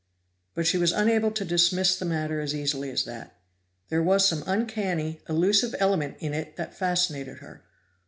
But she was unable to dismiss the matter as easily as that. There was some uncanny, elusive element in it that fascinated her.